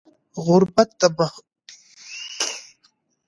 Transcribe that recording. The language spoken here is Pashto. غربت د محرومیت ځانګړې کچه ده.